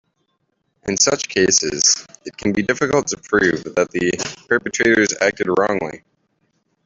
In such cases, it can be difficult to prove that the perpetrators acted wrongly.